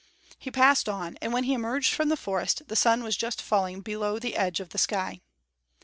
He passed on, and when he emerged from the forest, the sun was just falling below the edge of the sky.